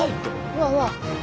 うわうわ。